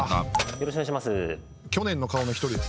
よろしくお願いします。